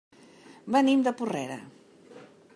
Venim de Porrera.